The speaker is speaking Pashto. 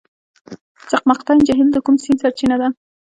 چقمقتین جهیل د کوم سیند سرچینه ده؟